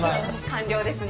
完了ですね。